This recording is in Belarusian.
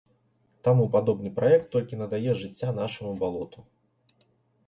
Таму падобны праект толькі надае жыцця нашаму балоту.